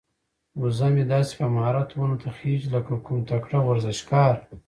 وزه مې داسې په مهارت ونو ته خيږي لکه کوم تکړه ورزشکار.